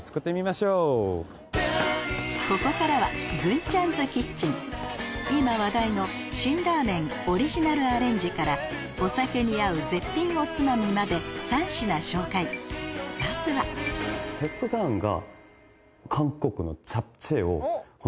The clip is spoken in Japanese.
ここからは今話題の辛ラーメンオリジナルアレンジからお酒に合う絶品おつまみまで３品紹介まずは徹子さんが。